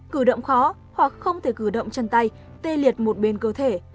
cử động khó hoặc không thể cử động chân tay tê liệt một bên cơ thể